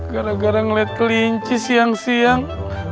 gara gara ngeliat kelinci siang siang